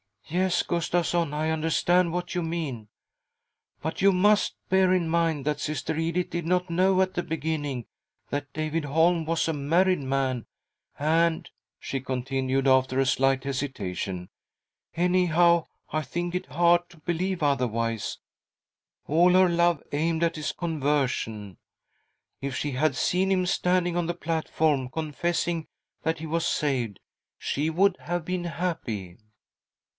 " Yes, Gustavsson, I understand what you mean —but you must bear in mind that Sister Edith did not know at the beginning that David Holm was a married man, and," she continued, after a slight hesitation, " anyhow, I think it hard to believe otherwise — all her love aimed at his conversion. If she had seen him standing on the platform, confessing that he was saved, she would have been happy."